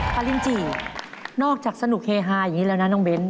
ปารินจินอกจากสนุกเฮฮาอย่างนี้แล้วนะน้องเบ้น